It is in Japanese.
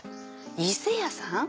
伊勢屋さん？